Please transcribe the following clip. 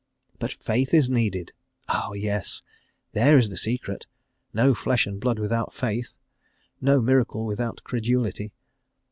"But faith is needed." Ah yes! There is the secret: no flesh and blood without faith; no miracle without credulity.